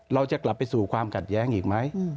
เราจะกลับไปสู่ความขัดแย้งอีกไหม